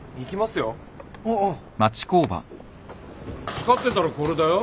使ってたらこれだよ？